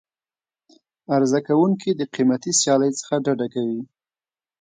عرضه کوونکي د قیمتي سیالۍ څخه ډډه کوي.